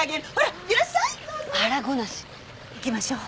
行きましょう。